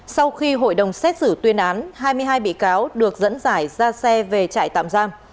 sau khi hội đồng xét xử tuyên án hai mươi hai bị cáo được dẫn giải ra xe về trại tạm giam